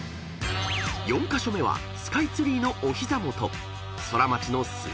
［４カ所目はスカイツリーのお膝元ソラマチの］